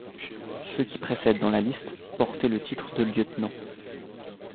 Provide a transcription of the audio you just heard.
Ceux qui précèdent dans la liste portaient le titre de lieutenant.